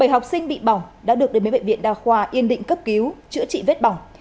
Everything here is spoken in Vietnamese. bảy học sinh bị bỏng đã được đến với bệnh viện đa khoa yên định cấp cứu chữa trị vết bỏng